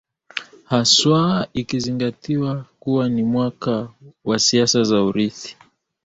haswa ikizingatiwa kuwa ni mwaka wa siasa za urithi